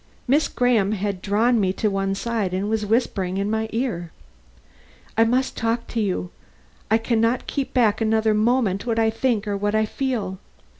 Miss Graham had drawn me to one side and was whispering in my ear: "I must talk to you. I can not keep back another moment what I think or what I feel.